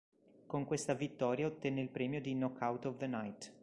Con questa vittoria ottenne il premio di Knockout of the Night.